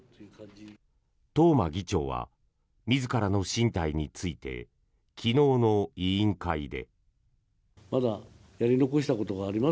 東間議長は自らの進退について昨日の委員会で。